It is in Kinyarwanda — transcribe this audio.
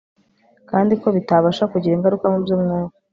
kandi ko bitabasha kugira ingaruka mu by'umwuka